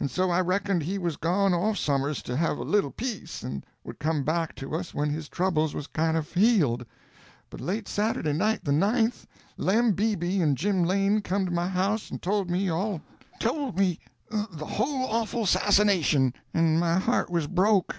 And so I reckoned he was gone off somers to have a little peace, and would come back to us when his troubles was kind of healed. But late Saturday night, the 9th, Lem Beebe and Jim Lane come to my house and told me all—told me the whole awful 'sassination, and my heart was broke.